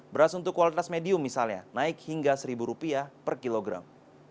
beras untuk kualitas medium misalnya naik hingga rp satu per kilogram